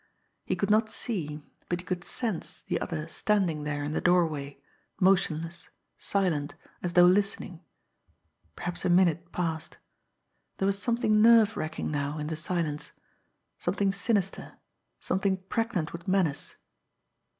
He could not see, but he could sense the other standing there in the doorway, motionless, silent, as though listening. Perhaps a minute passed. There was something nerve racking now in the silence, something sinister, something pregnant with menace.